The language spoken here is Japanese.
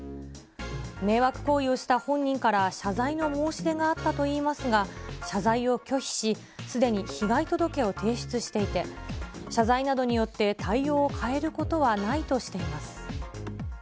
迷惑行為をした本人から謝罪の申し出があったといいますが、謝罪を拒否し、すでに被害届を提出していて、謝罪などによって対応を変えることはないとしています。